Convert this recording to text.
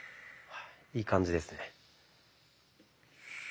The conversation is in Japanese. いい感じですね。